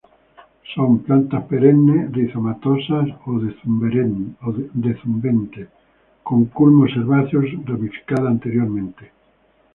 Son plantas perennes; rizomatosas o decumbentes con culmos herbáceos; ramificada anteriormente.